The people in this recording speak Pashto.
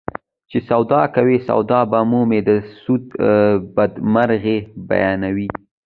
چې سود کوې سودا به مومې د سود بدمرغي بیانوي